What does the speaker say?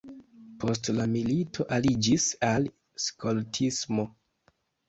Post la milito aliĝis al skoltismo.